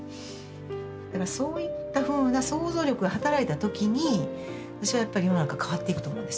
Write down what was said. だからそういったふうな想像力が働いた時に私はやっぱり世の中変わっていくと思うんですよね